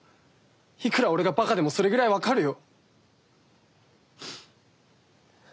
いくら俺がばかでもそれぐらい分かるよ。